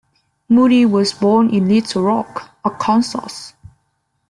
Moody was born in Little Rock, Arkansas.